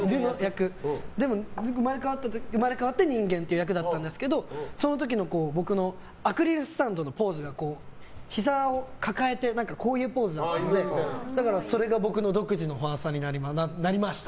生まれ変わって人間っていう役だったんですけどその時の僕のアクリルスタンドのポーズがひざを抱えてこういうポーズだったのでそれが僕の独自のファンサになりました。